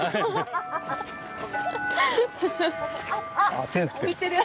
あっ手振ってる。